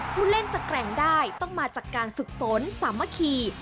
ผู้เล่นจะแกร่งได้ต้องมาจากการฝึกฝนสามัคคี